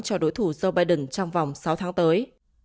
cho đối thủ joe biden trong vòng sáu tháng tới